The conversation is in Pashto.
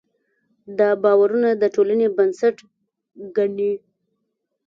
دا باورونه د ټولنې بنسټ ګڼي.